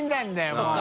もう。